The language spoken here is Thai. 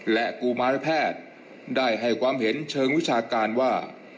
และกุมารแพทย์ได้ให้ความเห็นเชิงวิชาการว่า